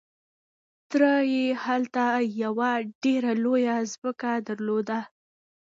تره يې هلته يوه ډېره لويه ځمکه درلوده.